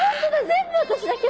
全部私だけど。